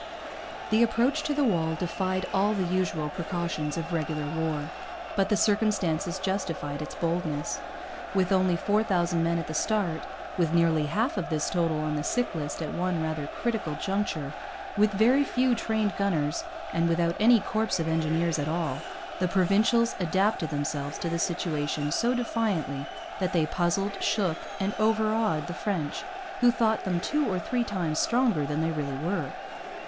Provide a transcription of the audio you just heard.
The approach to the walls defied all the usual precautions of regular war. But the circumstances justified its boldness. With only four thousand men at the start, with nearly half of this total on the sick list at one rather critical juncture, with very few trained gunners, and without any corps of engineers at all, the Provincials adapted themselves to the situation so defiantly that they puzzled, shook, and overawed the French, who thought them two or three times stronger than they really were.